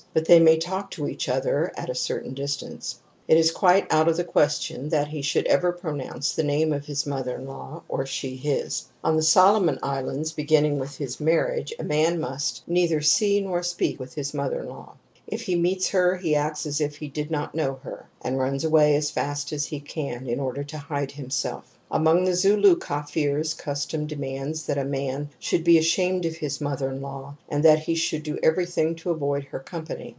But they may talk to each other at a certain distance. It is quite out of the question that he should ever pro THE SAVAGE'S DREAD OF INCEST 21 nounce the name of his mother in law, or she his ". On the Solomon Islands, beginning with his marriage, a man must neither see nor speak with his mother in law, If he meets her he acts as if he did not know her and runs away as fast as he can in order to hide himself i®. Among the Zulu Kaffirs custom demands that a man should be ashamed of his mother in law and that he should do everything to avoid her company.